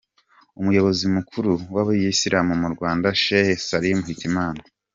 Umuyobozi mukuru w'abayisilamu mu Rwanda, Sheikh Salim Hitiman.